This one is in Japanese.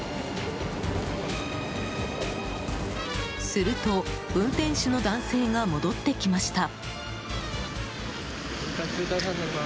すると、運転手の男性が戻ってきました。